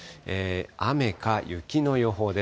雨か雪の予報です。